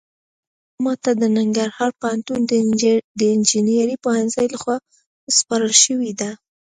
دا پروژه ماته د ننګرهار پوهنتون د انجنیرۍ پوهنځۍ لخوا سپارل شوې ده